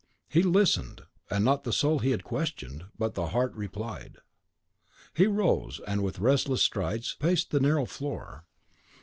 He listened; and not the soul he had questioned, but the heart replied. He rose, and with restless strides paced the narrow floor.